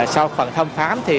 sau phần thâm phám